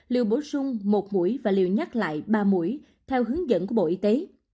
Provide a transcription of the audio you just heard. liều bổ sung một mũi và liều nhắc lại ba mũi theo hướng dẫn của bộ y tế